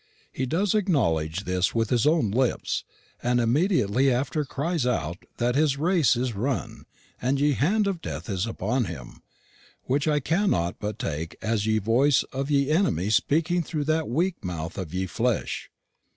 He does acknowledge this with his own lips, and immediately after cries out that his race is run, and ye hand of death is upon him; which I cannot but take as ye voice of ye enemy speaking through that weak mouth of ye flesh.